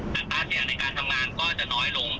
มีรัฐมีในการค้นหาออกไปให้มันกว้างขึ้น